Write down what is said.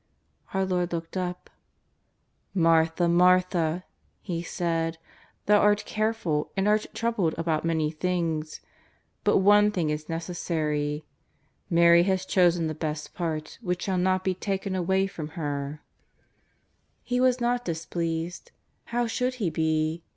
Our Lord looked up: " Martha, Martha," He said, " thou art careful and art troubled about many things. But one thing is necessary. Mary hath chosen the best part, which shall not be taken away from her." 290 JESUS OF NAZAKETH. He was not displeased ; liow should He be